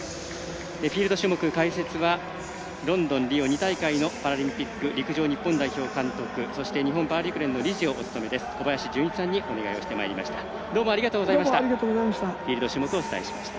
フィールド種目、解説はロンドン、リオ、２大会パラリンピック陸上日本代表監督そして日本パラ陸連の理事をお務めです、小林順一さんにお願いしてきました。